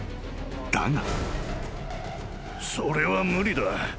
［だが］